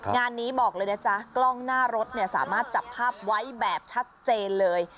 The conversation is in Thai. งานนี้บอกเลยนะจ๊ะกล้องหน้ารถเนี่ยสามารถจับภาพไว้แบบชัดเจนเลย